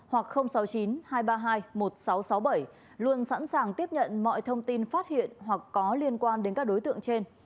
sáu mươi chín hai trăm ba mươi bốn năm nghìn tám trăm sáu mươi hoặc sáu mươi chín hai trăm ba mươi hai một nghìn sáu trăm sáu mươi bảy luôn sẵn sàng tiếp nhận mọi thông tin phát hiện hoặc có liên quan đến các đối tượng trên